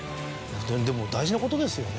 でも大事なことですよね。